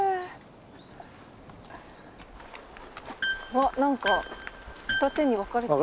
あっ何か二手に分かれてますね。